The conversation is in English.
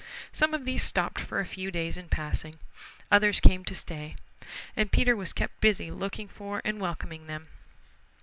Some of these stopped for a few days in passing. Others came to stay, and Peter was kept busy looking for and welcoming them.